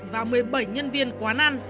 và một mươi bảy nhân viên quán ăn